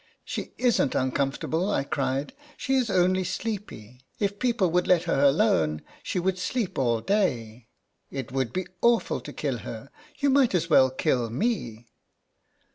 " She isn't uncomfortable," I cried ; "she is only sleepy. If people would let her alone, she would sleep all day. INTR OD UCTION. 2 1 It would be awful to kill her. You might as well kill me!"